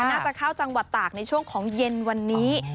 น่าจะเข้าจังหวัดตากในช่วงของเย็นวันนี้